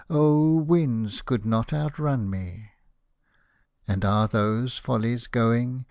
Oh ! winds could not outrun me. And are those follies going ?